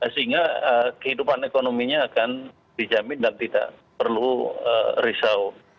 sehingga kehidupan ekonominya akan dijamin dan tidak perlu risau